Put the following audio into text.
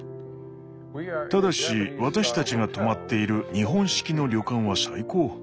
ただし私たちが泊まっている日本式の旅館は最高。